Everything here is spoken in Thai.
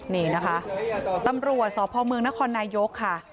นี่นะคะตำรวจสพเมืองนครนายกค่ะ